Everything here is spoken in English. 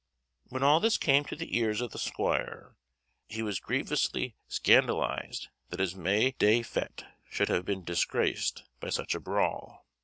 When all this came to the ears of the squire, he was grievously scandalised that his May day fête should have been disgraced by such a brawl.